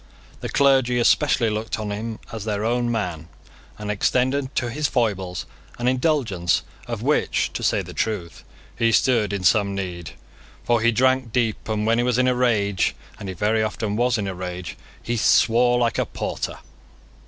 The clergy especially looked on him as their own man, and extended to his foibles an indulgence of which, to say the truth, he stood in some need: for he drank deep; and when he was in a rage, and he very often was in a rage, he swore like a porter.